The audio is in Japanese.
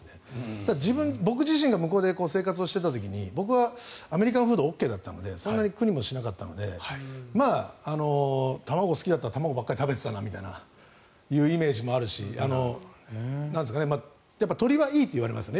ただ、僕自身が向こうで生活をしていた時に僕はアメリカンフードはＯＫだったのでそんなに苦にもしなかったので卵が好きだったら卵ばかり食べていたなというイメージもあるしやっぱり鶏はいいと言われますね。